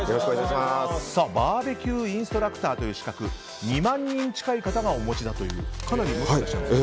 バーベキューインストラクターという資格２万人近い方がお持ちだということで。